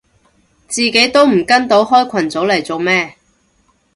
自己都跟唔到開群組嚟做咩